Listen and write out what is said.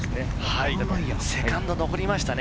セカンドのぼりましたね。